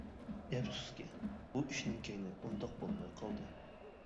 ئەپسۇسكى، بۇ ئىشنىڭ كەينى ئۇنداق بولماي قالدى.